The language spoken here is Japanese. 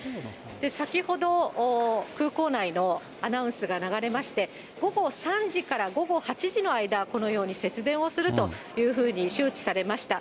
先ほど、空港内のアナウンスが流れまして、午後３時から午後８時の間、このように節電をするというふうに周知されました。